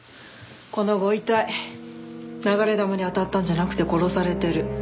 このご遺体流れ弾に当たったんじゃなくて殺されてる。